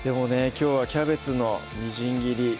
きょうはキャベツのみじん切り